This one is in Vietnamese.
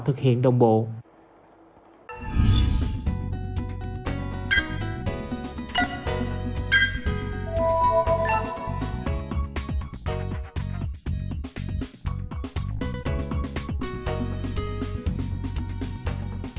hãy đăng ký kênh để ủng hộ kênh của mình nhé